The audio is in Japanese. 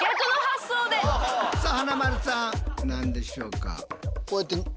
さあ華丸さん何でしょうか？